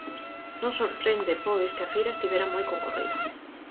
Non sorprende, pois, que a feira estivera moi concorrida.